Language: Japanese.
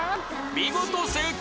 見事正解！